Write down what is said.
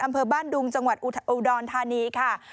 ข้ามเปิดบานดุงจังหวัดอุดรทานีค่ะ